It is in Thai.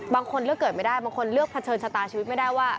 บางคนเลือกเกิดไม่ได้บางคนเลือกเผชิญชะตาชีวิตไม่ได้ว่า